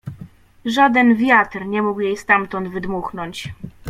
Żaden wiatr nie mógł jej stamtąd wydmuchnąć.